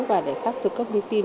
và để xác thực các thông tin